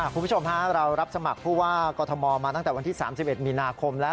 คุณผู้ชมฮะเรารับสมัครผู้ว่ากรทมมาตั้งแต่วันที่๓๑มีนาคมแล้ว